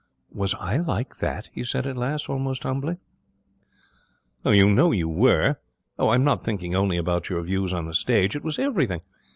'Was I like that?' he said at last, almost humbly. 'You know you were. Oh, I'm not thinking only about your views on the stage! It was everything.